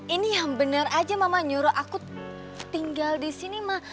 ini bener aja mama nyuruh aku tinggal di sini mah